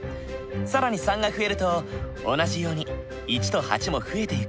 更に３が増えると同じように１と８も増えてゆく。